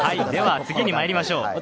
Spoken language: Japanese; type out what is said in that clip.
では次にまいりましょう。